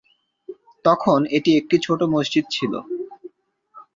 তখন এটি একটি ছোট মসজিদ ছিল।